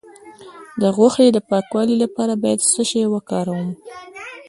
د غوښې د پاکوالي لپاره باید څه شی وکاروم؟